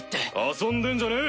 遊んでんじゃねえ！